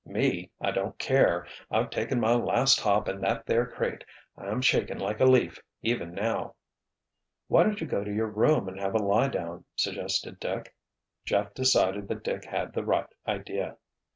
"Me, I don't care. I've taken my last hop in that there crate. I'm shaking like a leaf, even now." "Why don't you go to your room and have a lie down?" suggested Dick. Jeff decided that Dick had the right idea.